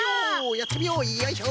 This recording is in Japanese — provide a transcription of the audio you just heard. やってみようよいしょい。